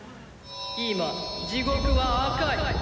今地獄は赤い！